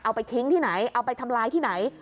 เอาไปทิ้งที่ไหนเอาไปทำลายที่ไหน